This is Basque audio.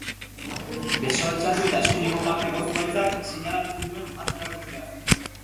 Besoa altxatu eta eskuineko parkeko zuhaitzak seinalatu zituen hatz erakusleaz.